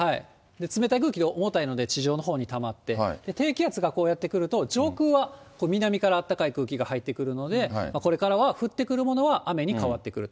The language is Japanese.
冷たい空気が重たいので地上のほうにたまって、低気圧がやって来ると、上空は南からあったかい空気が入ってくるので、これからは、降ってくるものは雨に変わってくると。